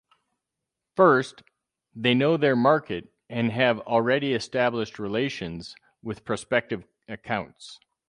First, they know their market and have already established relations with prospective accounts.